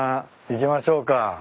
行きましょうか。